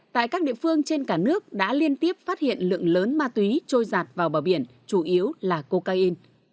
tại các địa phương trên cả nước đã liên tiếp phát hiện lượng lớn ma túy trôi giạt vào bờ biển chủ yếu là cocaine